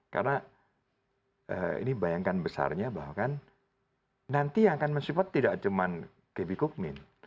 karena ini bayangkan besarnya bahwa kan nanti yang akan men support tidak cuma kb kukmin